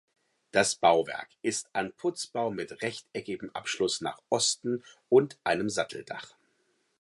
Das Bauwerk ist ein Putzbau mit rechteckigem Abschluss nach Osten und einem Satteldach.